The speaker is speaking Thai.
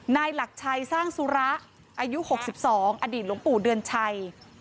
นายหลักชัยสร้างสุระอายุ๖๒อดีตหลวงปู่เดือนชัย